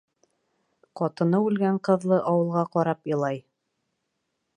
Ҡатыны үлгән ҡыҙлы ауылға ҡарап илай.